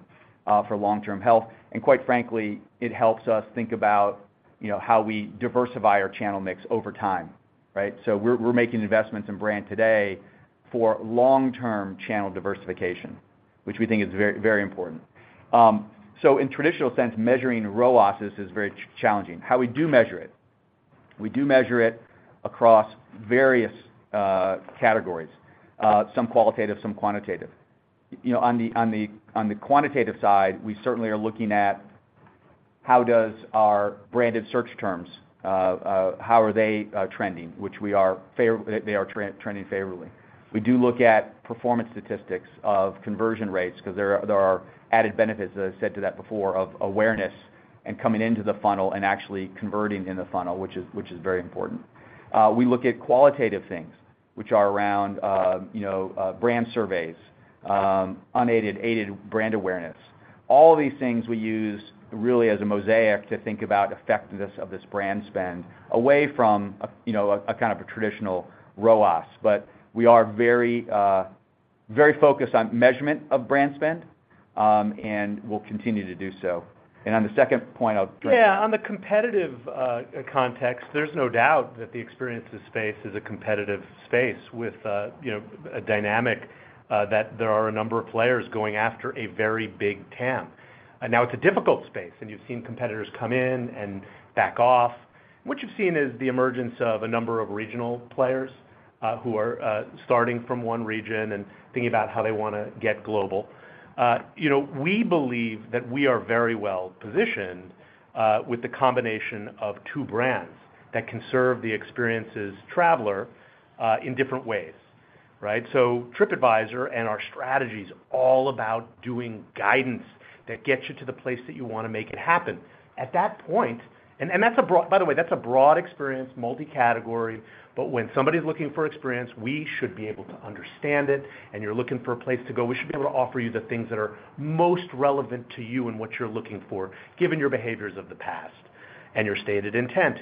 for long-term health. And quite frankly, it helps us think about, you know, how we diversify our channel mix over time. Right? So we're, we're making investments in brand today for long-term channel diversification, which we think is very, very important. So in traditional sense, measuring ROAS is, is very challenging. How we do measure it? We do measure it across various categories, some qualitative, some quantitative. You know, on the quantitative side, we certainly are looking at how does our branded search terms, how are they trending, which we are trending favorably. We do look at performance statistics of conversion rates because there are, there are added benefits, as I said to that before, of awareness and coming into the funnel and actually converting in the funnel, which is, which is very important. We look at qualitative things, which are around, you know, brand surveys, unaided, aided brand awareness. All these things we use really as a mosaic to think about effectiveness of this brand spend away from, you know, a kind of a traditional ROAS. We are very, very focused on measurement of brand spend, and we'll continue to do so. On the second point, I'll turn- Yeah, on the competitive context, there's no doubt that the experiences space is a competitive space with, you know, a dynamic, that there are a number of players going after a very big TAM. Now it's a difficult space, and you've seen competitors come in and back off. What you've seen is the emergence of a number of regional players, who are starting from one region and thinking about how they wanna get global. You know, we believe that we are very well-positioned, with the combination of two brands that can serve the experiences traveler, in different ways, right? Tripadvisor and our strategies are all about doing guidance that gets you to the place that you wanna make it happen. At that point, that's a broad. By the way, that's a broad experience, multi-category, but when somebody's looking for experience, we should be able to understand it, and you're looking for a place to go. We should be able to offer you the things that are most relevant to you and what you're looking for, given your behaviors of the past and your stated intent.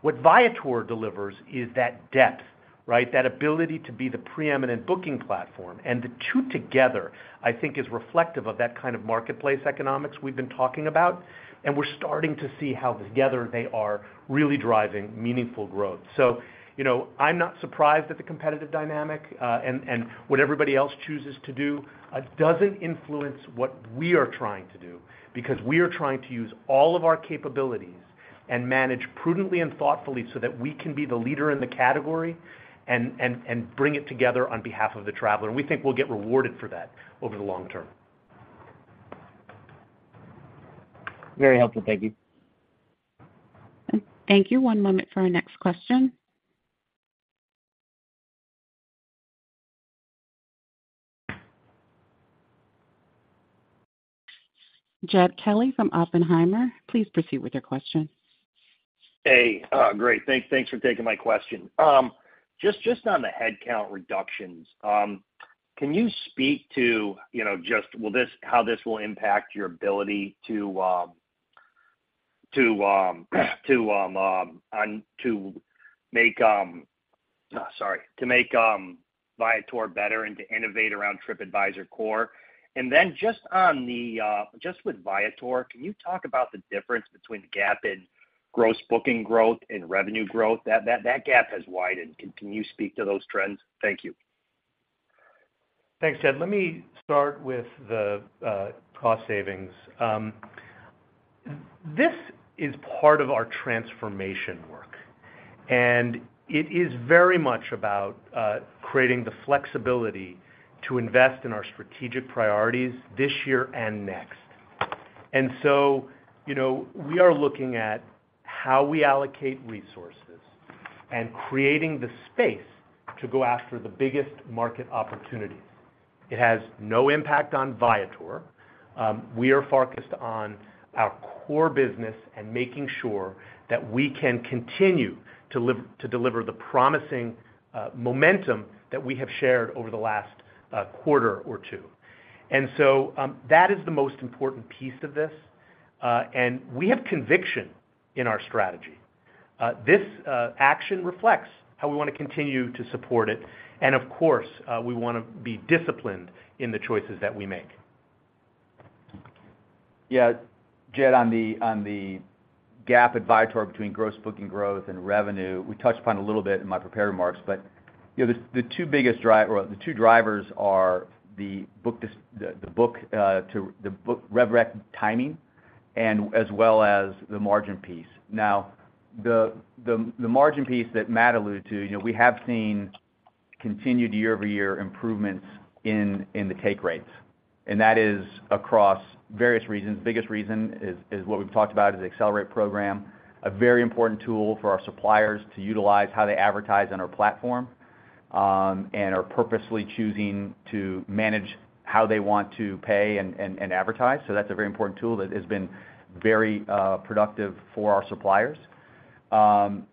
What Viator delivers is that depth, right? That ability to be the preeminent booking platform, and the two together, I think, is reflective of that kind of marketplace economics we've been talking about, and we're starting to see how together they are really driving meaningful growth. You know, I'm not surprised at the competitive dynamic, and, and what everybody else chooses to do, doesn't influence what we are trying to do, because we are trying to use all of our capabilities and manage prudently and thoughtfully so that we can be the leader in the category and, and, and bring it together on behalf of the traveler. We think we'll get rewarded for that over the long term. Very helpful. Thank you. Thank you. One moment for our next question. Jed Kelly from Oppenheimer, please proceed with your question. Hey, great. Thank, thanks for taking my question. Just, just on the headcount reductions, can you speak to, you know, just how this will impact your ability to make Viator better and to innovate around Tripadvisor Core? Just on the, just with Viator, can you talk about the difference between the gap in gross booking growth and revenue growth? That, that, that gap has widened. Can, can you speak to those trends? Thank you. Thanks, Jed. Let me start with the cost savings. This is part of our transformation work, and it is very much about creating the flexibility to invest in our strategic priorities this year and next. So, you know, we are looking at how we allocate resources and creating the space to go after the biggest market opportunities. It has no impact on Viator. We are focused on our core business and making sure that we can continue to deliver the promising momentum that we have shared over the last quarter or two. So, that is the most important piece of this, and we have conviction in our strategy. This action reflects how we wanna continue to support it, and of course, we wanna be disciplined in the choices that we make. Yeah, Jed, on the, on the gap at Viator between gross booking growth and revenue, we touched upon a little bit in my prepared remarks, but, you know, the, the two biggest drive- or the two drivers are the book dis- the, the book to the book revenue recognition timing, and as well as the margin piece. Now, the, the, the margin piece that Matt alluded to, you know, we have seen continued year-over-year improvements in, in the take rates, and that is across various reasons. The biggest reason is, is what we've talked about, is the Accelerate program, a very important tool for our suppliers to utilize how they advertise on our platform, and are purposefully choosing to manage how they want to pay and, and, and advertise. That's a very important tool that has been very productive for our suppliers.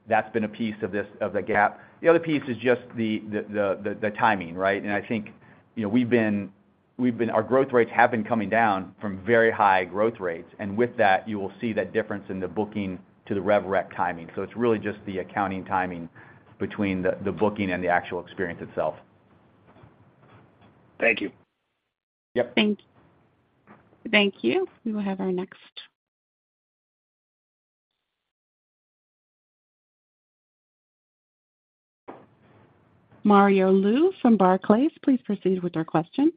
That's been a piece of this, of the gap. The other piece is just the timing, right? I think, you know, our growth rates have been coming down from very high growth rates, and with that, you will see that difference in the booking to the revenue recognition timing. It's really just the accounting timing between the booking and the actual experience itself. Thank you. Yep. Thank you. We will have our next. Mario Lu from Barclays, please proceed with your question.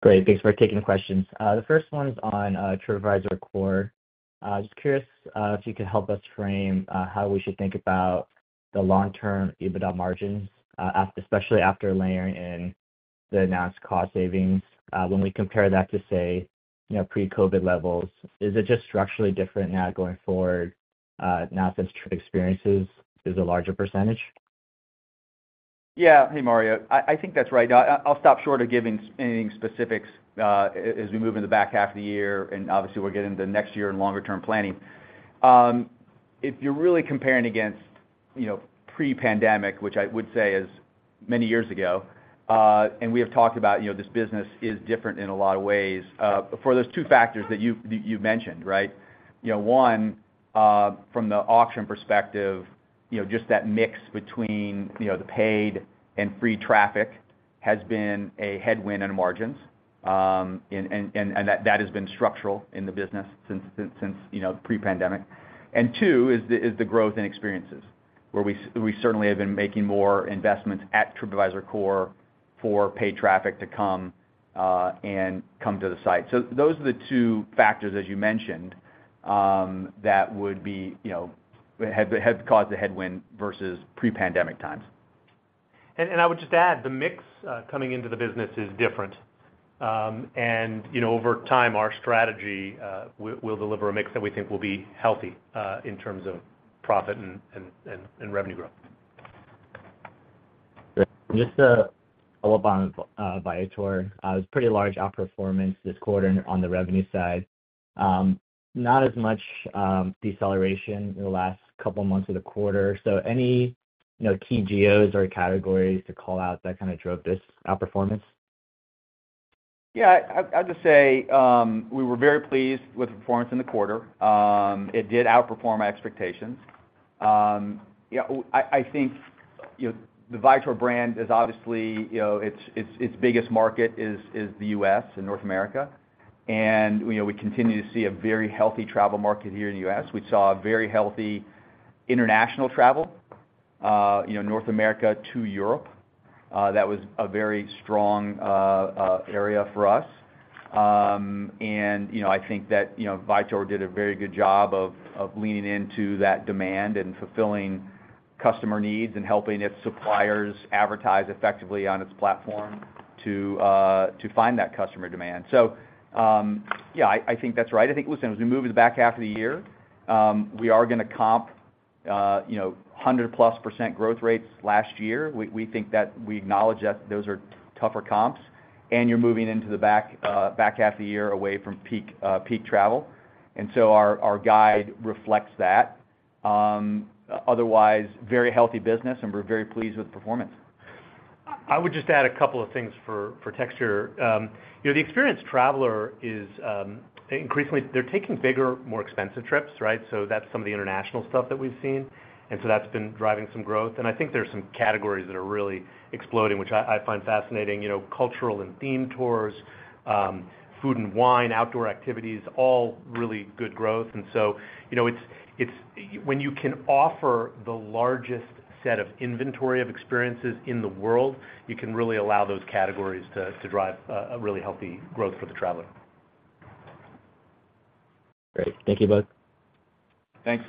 Great, thanks for taking the questions. The first one is on Tripadvisor Core. Just curious, if you could help us frame how we should think about the long-term EBITDA margins, especially after layering in the announced cost savings. When we compare that to, say, you know, pre-COVID levels, is it just structurally different now going forward, now since Trip Experiences is a larger percentage? Yeah. Hey, Mario. I, I think that's right. Now, I, I'll stop short of giving any specifics, as we move in the back half of the year, and obviously, we'll get into the next year and longer-term planning. If you're really comparing against, you know, pre-pandemic, which I would say is many years ago, we have talked about, you know, this business is different in a lot of ways, for those two factors that you've, you've mentioned, right? You know, one, from the auction perspective, you know, just that mix between, you know, the paid and free traffic has been a headwind on margins. That has been structural in the business since, since, you know, pre-pandemic. Two is the, is the growth in experiences, where we certainly have been making more investments at Tripadvisor Core for paid traffic to come, and come to the site. Those are the two factors, as you mentioned, you know, have, have caused a headwind versus pre-pandemic times. I would just add, the mix, coming into the business is different. You know, over time, our strategy will deliver a mix that we think will be healthy, in terms of profit and revenue growth. Great. Just a little on Viator. It's pretty large outperformance this quarter on the revenue side. Not as much deceleration in the last couple of months of the quarter. Any, you know, key geos or categories to call out that kind of drove this outperformance? Yeah, I'd just say, we were very pleased with the performance in the quarter. It did outperform our expectations. Yeah, I, I think, you know, the Viator brand is obviously, you know, it's, it's biggest market is, is the U.S. and North America, and, you know, we continue to see a very healthy travel market here in the U.S. We saw a very healthy international travel, you know, North America to Europe. That was a very strong area for us. You know, I think that, you know, Viator did a very good job of leaning into that demand and fulfilling customer needs and helping its suppliers advertise effectively on its platform to find that customer demand. Yeah, I, I think that's right. I think, listen, as we move in the back half of the year, we are gonna comp, you know, 100+% growth rates last year. We, we think that we acknowledge that those are tougher comps, and you're moving into the back, back half of the year away from peak, peak travel, and so our, our guide reflects that. Otherwise, very healthy business, and we're very pleased with the performance. I would just add a couple of things for, for texture. You know, the experienced traveler is, increasingly, they're taking bigger, more expensive trips, right? That's some of the international stuff that we've seen, and so that's been driving some growth. I think there's some categories that are really exploding, which I, I find fascinating. You know, cultural and themed tours, food and wine, outdoor activities, all really good growth. You know, it's when you can offer the largest set of inventory of experiences in the world, you can really allow those categories to, to drive a, a really healthy growth for the traveler. Great. Thank you both. Thanks.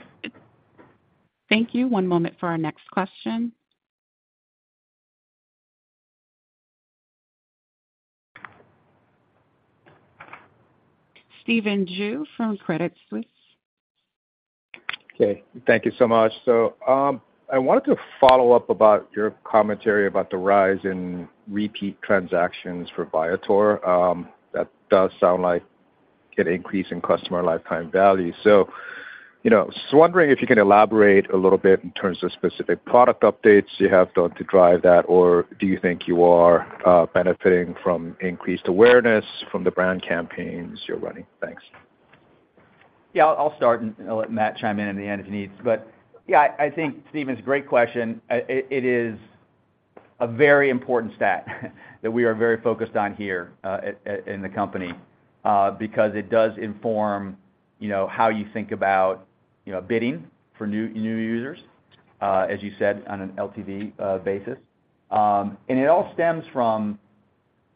Thank you. One moment for our next question. Stephen Ju from Credit Suisse. Okay, thank you so much. I wanted to follow up about your commentary about the rise in repeat transactions for Viator. That does sound like an increase in customer lifetime value. You know, just wondering if you can elaborate a little bit in terms of specific product updates you have done to drive that, or do you think you are benefiting from increased awareness from the brand campaigns you're running? Thanks. Yeah, I'll start, and I'll let Matt chime in at the end if he needs. Yeah, I think, Stephen, it's a great question. It, it is a very important stat that we are very focused on here, at, in the company, because it does inform, you know, how you think about, you know, bidding for new, new users, as you said, on an LTV basis. It all stems from,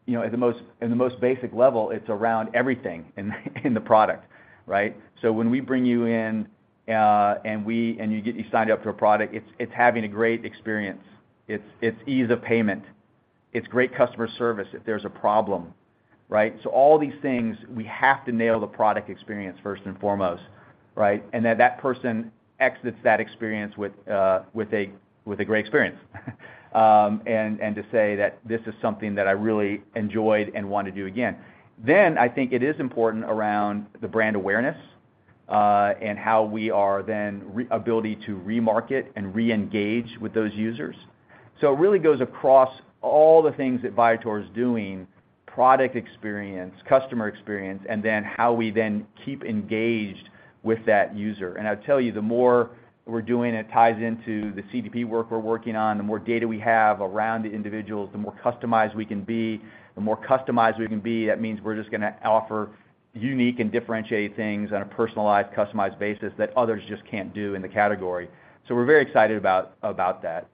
you know, in the most basic level, it's around everything in, in the product, right? When we bring you in, and you get signed up to a product, it's, it's having a great experience, it's, it's ease of payment, it's great customer service if there's a problem, right? All these things, we have to nail the product experience first and foremost, right? That person exits that experience with, with a, with a great experience. To say that this is something that I really enjoyed and want to do again. I think it is important around the brand awareness, and how we are then ability to remarket and reengage with those users. It really goes across all the things that Viator is doing. Product experience, customer experience, and then how we then keep engaged with that user. I'll tell you, the more we're doing it ties into the CDP work we're working on, the more data we have around the individuals, the more customized we can be. The more customized we can be, that means we're just gonna offer unique and differentiated things on a personalized, customized basis that others just can't do in the category. We're very excited about, about that.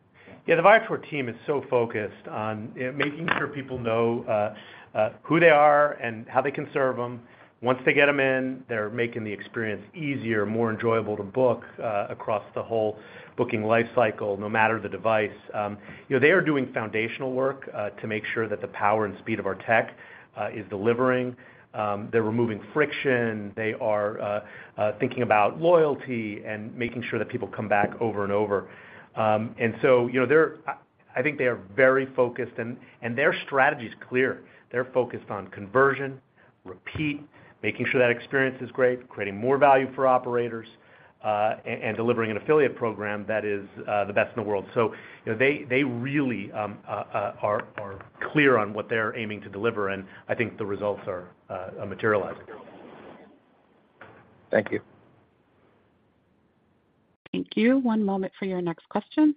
Yeah. The Viator team is so focused on making sure people know who they are and how they can serve them. Once they get them in, they're making the experience easier and more enjoyable to book across the whole booking life cycle, no matter the device. You know, they are doing foundational work to make sure that the power and speed of our tech is delivering. They're removing friction. They are thinking about loyalty and making sure that people come back over and over. You know, I think they are very focused, and their strategy is clear. They're focused on conversion, repeat, making sure that experience is great, creating more value for operators, and delivering an affiliate program that is the best in the world. You know, they, they really, are clear on what they're aiming to deliver, and I think the results are materializing. Thank you. Thank you. One moment for your next question.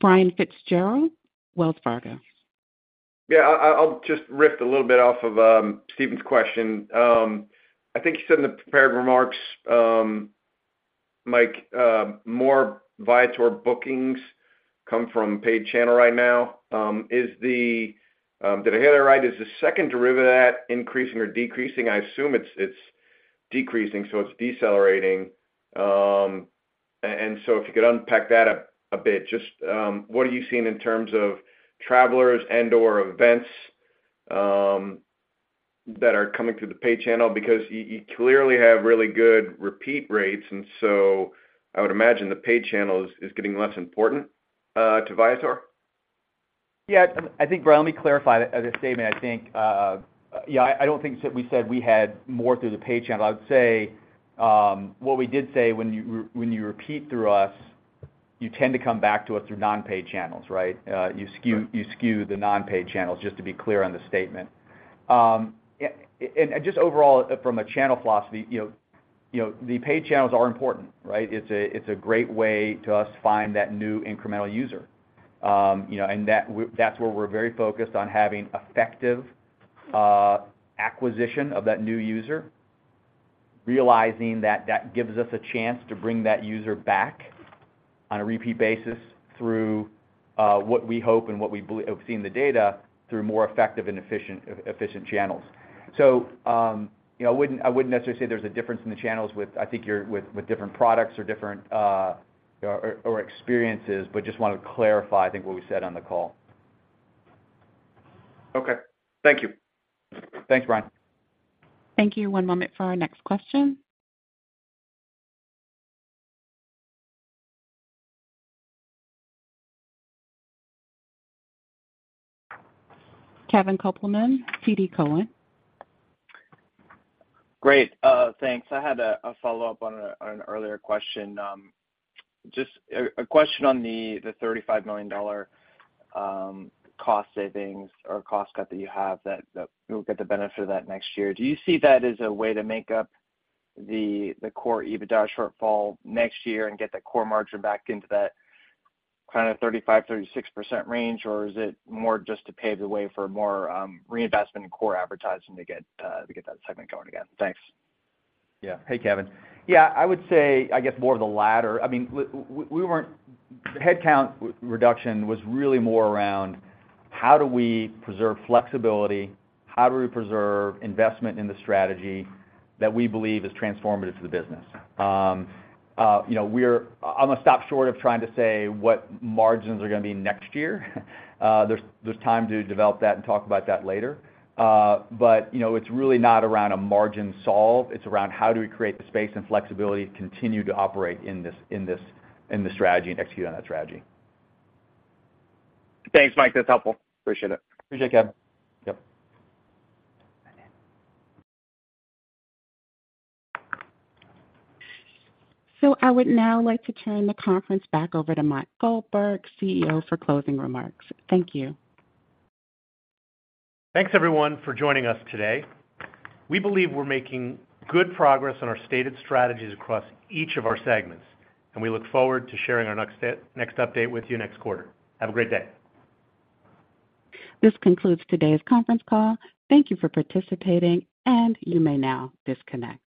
Brian Fitzgerald, Wells Fargo. Yeah, I'll just riff a little bit off of Stephen's question. I think you said in the prepared remarks, Mike, more Viator bookings come from paid channel right now. Is the, did I hear that right? Is the second derivative of that increasing or decreasing? I assume it's, it's decreasing, so it's decelerating. So if you could unpack that a, a bit. Just, what are you seeing in terms of travelers and/or events that are coming through the paid channel? Because you, you clearly have really good repeat rates, and so I would imagine the paid channel is, is getting less important to Viator. Yeah. I think, Brian, let me clarify the statement. I think, yeah, I, I don't think that we said we had more through the paid channel. I would say, what we did say, when you, when you repeat through us, you tend to come back to us through non-paid channels, right? you skew the non-paid channels, just to be clear on the statement. Yeah, and just overall, from a channel philosophy, you know, you know, the paid channels are important, right? It's a, it's a great way to us find that new incremental user. You know, that we're-- that's where we're very focused on having effective acquisition of that new user, realizing that that gives us a chance to bring that user back on a repeat basis through what we hope and what we belie- have seen the data through more effective and efficient, efficient channels. You know, I wouldn't, I wouldn't necessarily say there's a difference in the channels with, I think you're, with, with different products or different, or, or, or experiences, but just wanted to clarify, I think, what we said on the call. Okay. Thank you. Thanks, Brian. Thank you. One moment for our next question. Kevin Kopelman, TD Cowen. Great, thanks. I had a, a follow-up on a, on an earlier question. Just a, a question on the, the $35 million cost savings or cost cut that you have, that, that you'll get the benefit of that next year. Do you see that as a way to make up the, the core EBITDA shortfall next year and get that core margin back into that kind of 35%-36% range? Or is it more just to pave the way for more reinvestment in core advertising to get to get that segment going again? Thanks. Yeah. Hey, Kevin. Yeah, I would say, I guess more of the latter. I mean, we weren't headcount reduction was really more around how do we preserve flexibility? How do we preserve investment in the strategy that we believe is transformative to the business? You know, we're I'm gonna stop short of trying to say what margins are gonna be next year. There's, there's time to develop that and talk about that later. But, you know, it's really not around a margin solve. It's around how do we create the space and flexibility to continue to operate in this, in this, in this strategy and execute on that strategy. Thanks, Mike. That's helpful. Appreciate it. Appreciate it, Kevin. Yep. I would now like to turn the conference back over to Matt Goldberg, CEO, for closing remarks. Thank you. Thanks, everyone, for joining us today. We believe we're making good progress on our stated strategies across each of our segments. We look forward to sharing our next update with you next quarter. Have a great day. This concludes today's conference call. Thank you for participating. You may now disconnect.